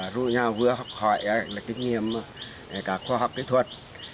giúp nhau vượt khỏi kinh nghiệm khoa học kỹ thuật